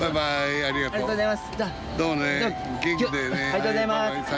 ありがとうございます。